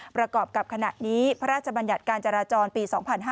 ประกอบกับขณะนี้พระราชบัญญัติการจราจรปี๒๕๕๙